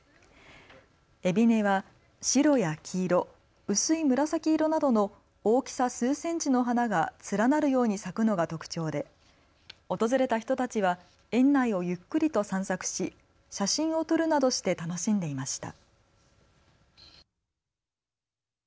エビネは白や黄色薄い紫色などの大きさ数センチの花が連なるように咲くのが特徴で訪れた人たちは園内をゆっくりと散策し写真を撮るなどして楽しんでいました。